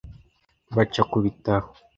baca ku bitaro